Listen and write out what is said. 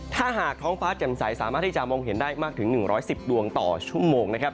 ถ้าหากท้องฟ้าแจ่มใสสามารถที่จะมองเห็นได้มากถึง๑๑๐ดวงต่อชั่วโมงนะครับ